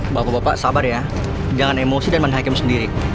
bapak bapak sabar ya jangan emosi dan menhakem sendiri